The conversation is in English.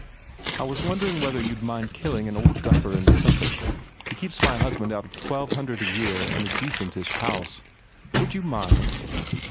"I was wondering whether you d mind killing an old duffer in Suffolk. He keeps my husband out of twelve hundred a year and a decentish house. Would you mind?"